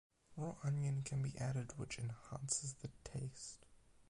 Raw onion can be added which enhances the taste.